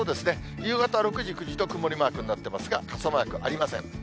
夕方６時、９時と曇りマークになってますが、傘マークありません。